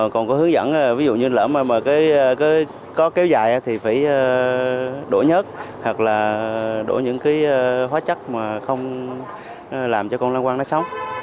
còn có hướng dẫn ví dụ như lỡ mà có kéo dài thì phải đổ nhớt hoặc là đổ những hóa chất mà không làm cho con loang quang nó sống